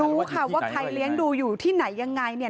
รู้ค่ะว่าใครเลี้ยงดูอยู่ที่ไหนยังไงเนี่ย